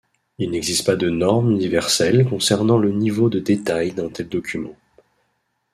Il n’existe pas de norme universelle concernant le niveau de détail d'un tel document.